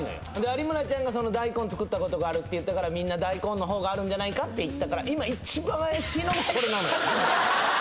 有村ちゃんが大根作ったことがあるって言ったからみんな大根の方があるんじゃないかって言ったから今一番怪しいのもこれなのよ！